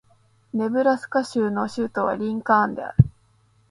ネブラスカ州の州都はリンカーンである